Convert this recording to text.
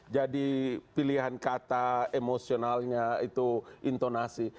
jadi pilihan kata emosionalnya itu intonasi